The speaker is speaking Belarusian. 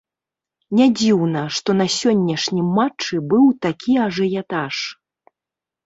Не дзіўна, што на сённяшнім матчы быў такі ажыятаж.